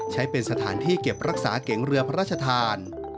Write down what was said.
ใช้เป็นสถานที่เก็บรักษาเก๋งเรือพระราชทาน